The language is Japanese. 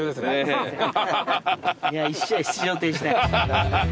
いや１試合出場停止だよ。